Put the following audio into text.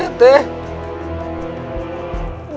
aku akan menangkapmu